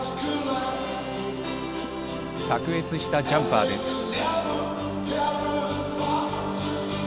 卓越したジャンパーです。